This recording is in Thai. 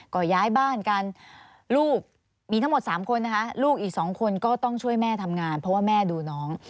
ก็ย้ายบ้านกันลูกมีทั้งหมด๓คนนะคะลูกอีก๒คนก็ต้องช่วยแม่ทำงานเพราะว่าแม่ดูน้อง